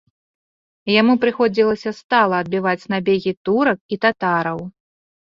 Яму прыходзілася стала адбіваць набегі турак і татараў.